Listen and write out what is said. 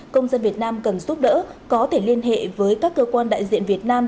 công dân việt nam cần giúp đỡ có thể liên hệ với các cơ quan đại diện việt nam